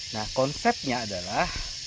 nah konsepnya adalah